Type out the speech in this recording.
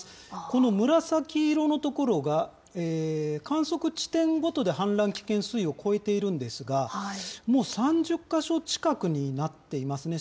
この紫色の所が、観測地点ごとで氾濫危険水位を超えているんですが、もう３０か所近くになっていますね。